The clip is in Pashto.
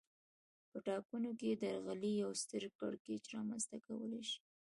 په ټاکنو کې درغلي یو ستر کړکېچ رامنځته کولای شي